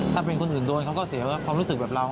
ถ้าเป็นคนอื่นโดนเขาก็เสียความรู้สึกแบบเรา